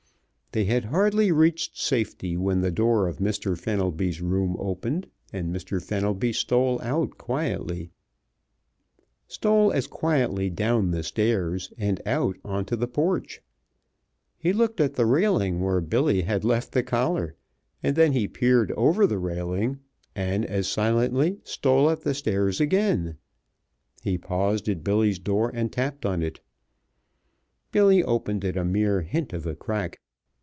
They had hardly reached safety when the door of Mr. Fenelby's room opened and Mr. Fenelby stole out quietly, stole as quietly down the stairs and out upon the porch. He looked at the railing where Billy had left the collar, and then he peered over the railing, and as silently stole up the stairs again. He paused at Billy's door and tapped on it. Billy opened it a mere hint of a crack.